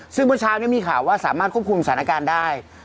ซึ่งเมื่อเช้านี้มีข่าวว่าสามารถควบคุมสถานการณ์ได้